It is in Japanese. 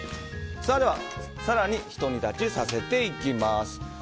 更にひと煮立ちさせていきます。